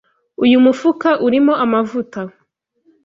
Uyu mufuka urimo amavuta.